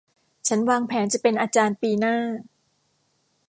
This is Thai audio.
ฉันวางแผนจะเป็นอาจารย์ปีหน้า